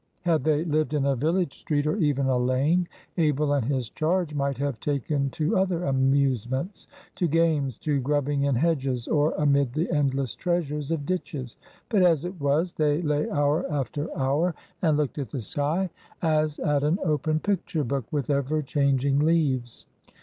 Had they lived in a village street, or even a lane, Abel and his charge might have taken to other amusements,—to games, to grubbing in hedges, or amid the endless treasures of ditches. But as it was, they lay hour after hour and looked at the sky, as at an open picture book with ever changing leaves.